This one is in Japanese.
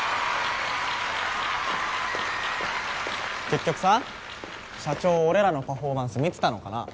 結局さ社長俺らのパフォーマンス見てたのかな？